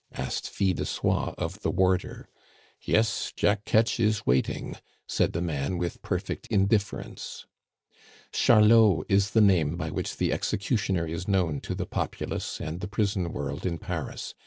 asked Fil de Soie of the warder. "Yes, Jack Ketch is waiting," said the man with perfect indifference. Charlot is the name by which the executioner is known to the populace and the prison world in Paris.